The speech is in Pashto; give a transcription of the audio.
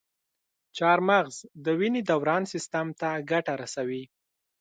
چارمغز د وینې دوران سیستم ته ګټه رسوي.